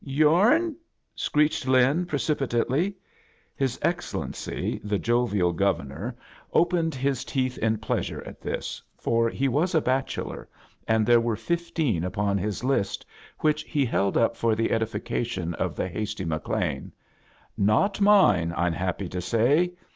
" Yourn?" screeched Lin, precipitately. His Excellency thejovial Governor open 5 A JOURNEY IN SEARCH OF CHRISTMAS ed Ills teeth in pleasure at tbis» for he was a bachelor, and there were fifteen upon his Ijst, which he held up for the edification of the hasty McLean. " Not mine, I'm happy to say.